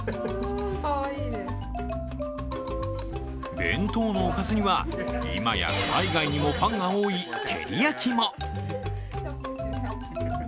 弁当のおかずには、今や海外にもファンが多いテリヤキも。